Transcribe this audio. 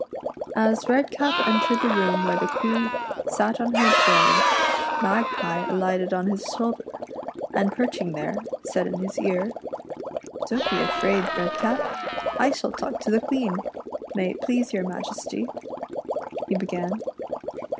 As Redcap entered the room where the Queen sat on her throne, Magpie alighted on his shoulder, and perching there, said in his ear :" Don't be afraid, Redcap, I shall talk to the Queen. May it please your Majesty," he began.